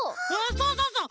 そうそうそう！